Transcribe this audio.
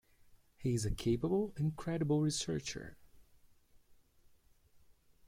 He is a capable and credible researcher.